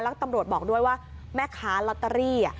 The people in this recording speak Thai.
แล้วตำรวจบอกด้วยว่าแม่ค้าลอตเตอรี่